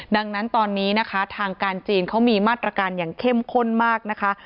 ดังนั้นตอนนี้นะคะทางการจีนเขามีมาตรการอย่างเข้มข้นมากนะคะ